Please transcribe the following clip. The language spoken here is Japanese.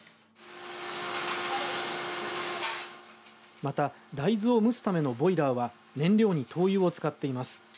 また、大豆を蒸すためのボイラーは燃料に灯油を使っています。